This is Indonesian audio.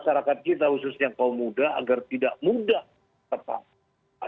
masyarakat kita khususnya kaum muda agar tidak muda tetap